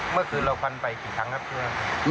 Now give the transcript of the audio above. เมื่อคืนเราฟันไปกี่ครั้งครับเพื่อน